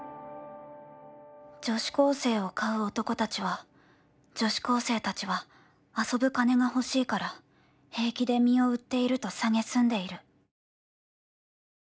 「女子高生を買う男たちは女子高生たちは遊ぶ金が欲しいから平気で身を売っていると蔑んでいる」。